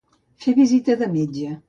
Fer visita de metge.